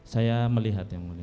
saya melihat yang mulia